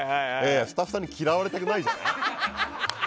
スタッフさんに嫌われたくないじゃない。